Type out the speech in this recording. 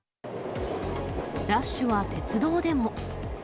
ラッシュは鉄道でも。